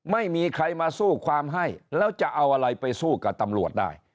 ไม่มีใครมาสู้ความให้แล้วจะเอาอะไรไปสู้กับตำรวจได้